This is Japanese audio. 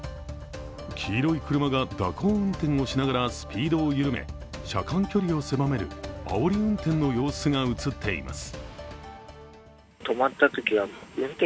黄色い車が蛇行運転をしながらスピードを緩め、車間距離を狭めるあおり運転の様子が映っています。